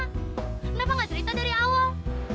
kenapa gak cerita dari awal